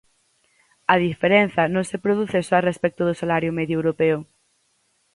A diferenza non se produce só a respecto do salario medio europeo.